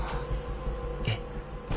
えっ？